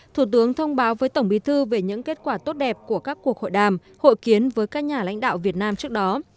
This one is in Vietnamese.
thủ tướng thông báo với tổng bí thư về những kết quả tốt đẹp của các cuộc hội đàm hội kiến với các nhà lãnh đạo việt nam trước đó